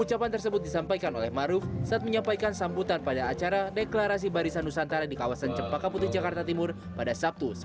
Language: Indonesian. ucapan tersebut disampaikan oleh maruf saat menyampaikan sambutan pada acara deklarasi barisan nusantara di kawasan cempaka putih jakarta timur pada sabtu sepuluh november dua ribu delapan belas